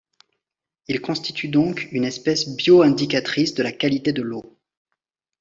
Ils constituent donc une espèce bio-indicatrice de la qualité de l'eau.